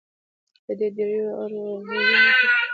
په دې درېواړو ځېلونو کې